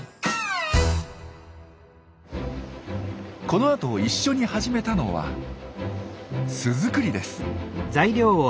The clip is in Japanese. このあと一緒に始めたのは巣作りです。